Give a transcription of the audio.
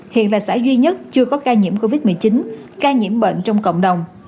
hiện là xã duy nhất chưa có ca nhiễm covid một mươi chín ca nhiễm bệnh trong cộng đồng